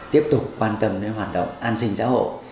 tiếp tục quan tâm đến hoạt động an sinh xã hội